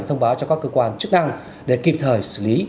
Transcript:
thông báo cho các cơ quan chức năng để kịp thời xử lý